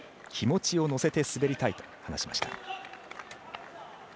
気持ちを乗せて滑りたいと話しました。